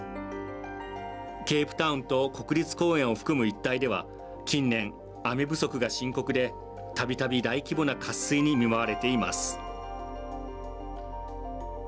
ケープタウンと国立公園を含む一帯で近年、雨不足が深刻ではたびたび大規模な渇水に見舞われています。